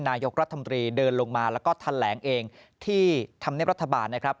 นายกรัฐมนตรีเดินลงมาแล้วก็แถลงเองที่ธรรมเนียบรัฐบาลนะครับ